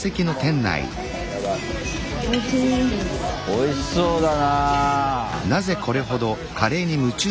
おいしそうだな。